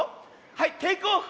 はいテイクオフ！